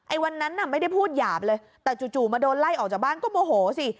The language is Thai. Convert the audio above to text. วันนั้นน่ะไม่ได้พูดหยาบเลยแต่จู่มาโดนไล่ออกจากบ้านก็โมโหสิ